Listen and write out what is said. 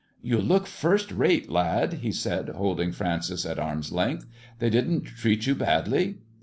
" You look first rate, lad," he said, holding Francis at arm's length. "They didn't treat you badly."